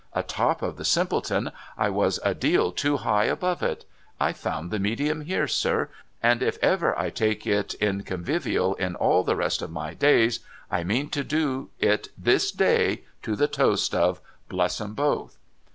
Atop of the Simpleton, I was a deal too high above it. I've found the medium here, sir. And if ever I take it in convivial, in all the rest of my days, I mean to do it this day, to the toast of " Bless 'em both."